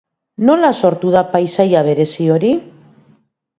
Nola sortu da paisaia berezi hori?